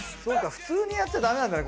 普通にやっちゃダメなんだね